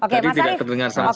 tadi tidak terdengar sama sekali